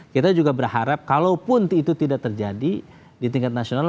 kita juga berharap kalaupun itu tidak terjadi di tingkat nasional